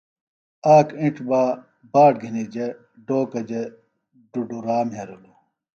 آک اِنڇ بہ باٹ گِھنیۡ جےۡ ڈوکہ جےۡ ڈُڈوۡرا مھیرِلوۡ